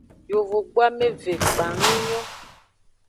Yovogbu ameve kpang yi nyon.